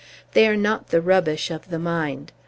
They are not the rubbish of the mind.